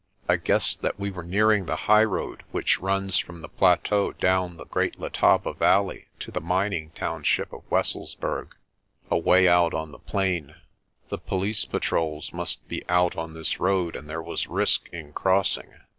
I guessed that we were nearing the highroad which runs from the plateau down the Great Letaba valley to the mining township of Wesselsburg, away out on the plain. The police patrols must be out on this road, and there was risk in crossing.